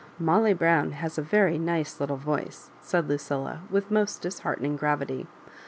" Molly Brown has a very nice little voice," said Lucilla, with most disheartening gravity.